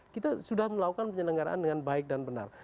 kita sudah melakukan penyelenggaraan dengan baik dan benar